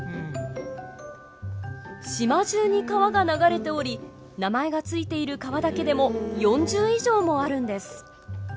島中に川が流れており名前が付いている川だけでも４０以上もあるんです。